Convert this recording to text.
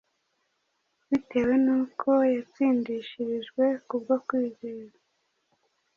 Bitewe n’uko “yatsindishirijwe kubwo kwizera,